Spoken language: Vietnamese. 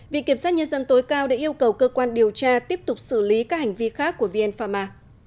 viện kiểm sát nhân dân tối cao đã yêu cầu cơ quan điều tra tiếp tục xử lý các hành vi khác của vn pharma